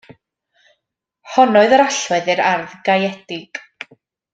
Honno oedd yr allwedd i'r ardd gaeedig.